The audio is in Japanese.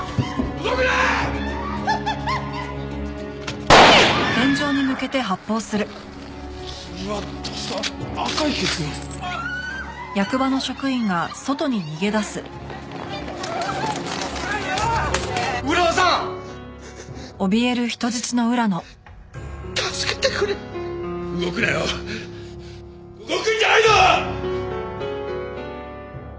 動くんじゃないぞ！